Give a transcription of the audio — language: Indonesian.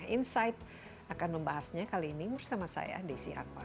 insight akan membahasnya kali ini bersama saya desi anwar